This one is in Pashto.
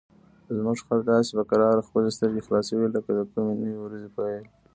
زموږ خر داسې په کراره خپلې سترګې خلاصوي لکه د کومې نوې ورځې پیل.